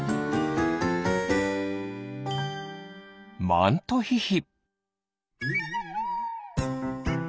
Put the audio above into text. マントヒヒ。